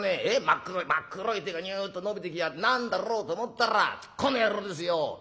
真っ黒い真っ黒い手がニュッと伸びてきやがって何だろうと思ったらこの野郎ですよ。